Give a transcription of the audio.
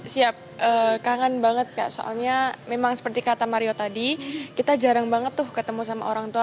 siap kangen banget kak soalnya memang seperti kata mario tadi kita jarang banget tuh ketemu sama orang tua